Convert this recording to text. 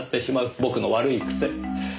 僕の悪い癖。